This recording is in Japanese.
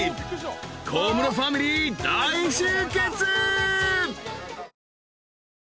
［小室ファミリー大集結］